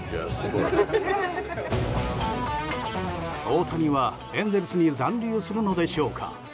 大谷はエンゼルスに残留するのでしょうか。